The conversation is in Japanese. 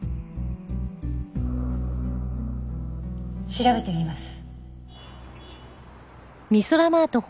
調べてみます。